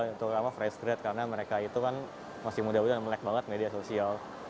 terutama fresh grade karena mereka itu kan masih muda muda dan melek banget media sosial